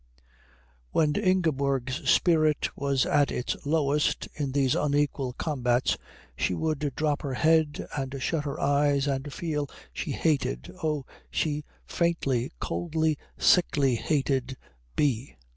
When Ingeborg's spirit was at its lowest in these unequal combats she would droop her head and shut her eyes and feel she hated oh, she faintly, coldly, sicklily hated B.